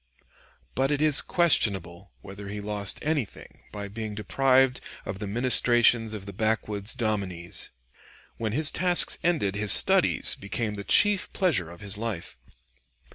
But it is questionable whether he lost anything by being deprived of the ministrations of the backwoods dominies. When his tasks ended, his studies became the chief pleasure of his life.